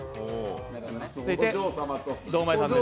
続いて堂前さんです。